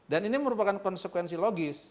dan ini merupakan konsekuensi logis